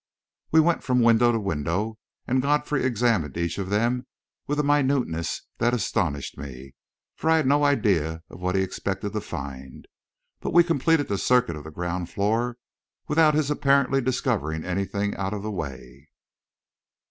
We went from window to window, and Godfrey examined each of them with a minuteness that astonished me, for I had no idea what he expected to find. But we completed the circuit of the ground floor without his apparently discovering anything out of the way.